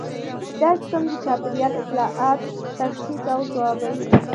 دا سیستم د چاپیریال اطلاعات تشخیص او ځوابوي